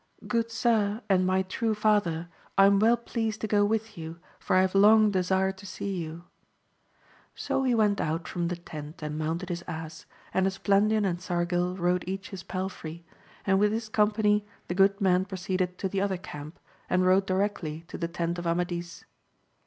Good su*, and my true father, I am well pleased to go with you, for I have long desired to see you. So he went out from the tent and mounted his ass^ and Esplandian and Sargil rode each his palfrey, and with this company the good man proceeded to the other camp, and rode directly to the tent of Amadis.